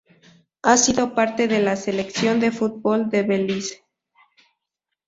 Ha sido parte de la Selección de fútbol de Belice.